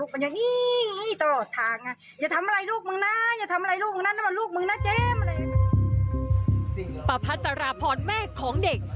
ปรภาพรพรแม่ของเด็ก